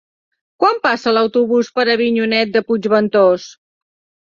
Quan passa l'autobús per Avinyonet de Puigventós?